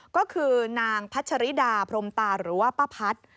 ก็คือนางพัชริดาพรมตาหรือว่าป้าพัฒน์